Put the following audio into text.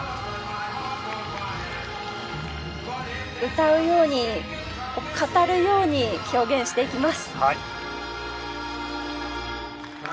歌うように語るように表現していきます。